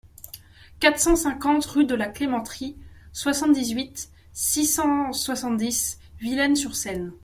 quatre cent cinquante rue de la Clémenterie, soixante-dix-huit, six cent soixante-dix, Villennes-sur-Seine